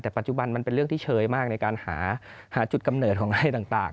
แต่ปัจจุบันมันเป็นเรื่องที่เชยมากในการหาจุดกำเนิดของอะไรต่าง